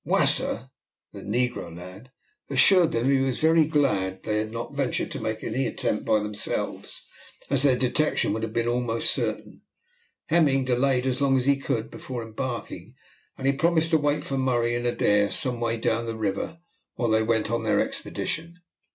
Wasser, the negro lad, assured them that he was very glad they had not ventured to make the attempt by themselves, as their detection would have been almost certain. Hemming delayed as long as he could before embarking, and he promised to wait for Murray and Adair some way down the river while they went on their expedition.